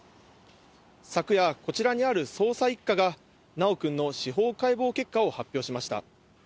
昨夜、こちらにある捜査一課が修くんの司法解剖結果を発表しました。